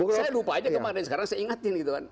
saya lupa aja kemarin sekarang saya ingetin gitu kan